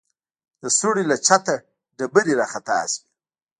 د سوړې له چته ډبرې راخطا سوې.